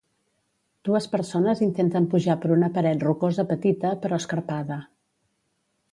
Dues persones intenten pujar per una paret rocosa petita, però escarpada.